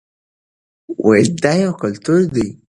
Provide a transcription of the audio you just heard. دا یو کلتور دی.